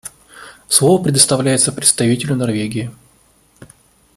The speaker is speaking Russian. Слово предоставляется представителю Норвегии.